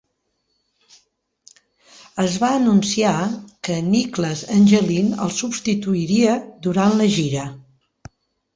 Es va anunciar que Niklas Engelin el substituiria durant la gira.